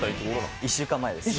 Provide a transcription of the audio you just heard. １週間前ですね。